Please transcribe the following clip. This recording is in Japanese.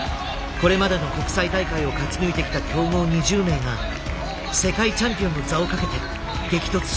これまでの国際大会を勝ち抜いてきた強豪２０名が世界チャンピオンの座を懸けて激突します。